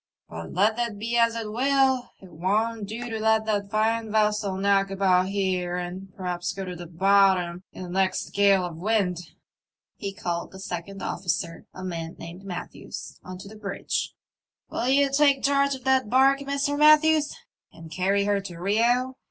But let that be as it will, it won't do to let that fine vessel knock about here and perhaps go to the bottom in the next gale of wind." He called the second ofl&cer, a man named Matthews, on to the bridge. '* Will ye take charge of that barque, Mr. Matthews, and carry her to Rio